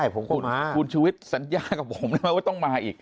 ผมก็มาคุณชีวิตสัญญากับผมนะไม่ต้องมาอีก